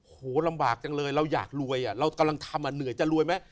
หัวลำบากจังเลยเราอยากลวยน่ะเราตามมาเหนื่อยจะลวยไหม